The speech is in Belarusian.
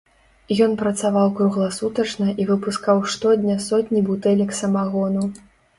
Ён працаваў кругласутачна і выпускаў штодня сотні бутэлек самагону.